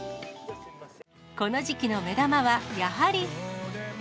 この時期の目玉はやはり。